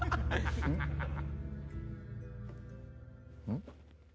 うん？